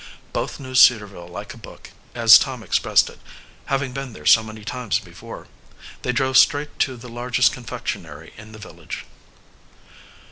Both knew Cedarville "like a book," as Tom expressed it, having been there so many times before. They drove straight to the largest confectionery in the village.